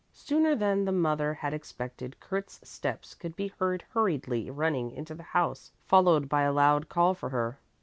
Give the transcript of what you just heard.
Sooner than the mother had expected Kurt's steps could be heard hurriedly running into the house followed by a loud call for her.